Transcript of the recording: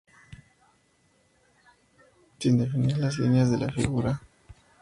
Sin definir las líneas de la figura.